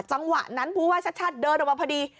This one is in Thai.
จังหวะนั้นผู้ว่าชัดเดินออกมาพอดี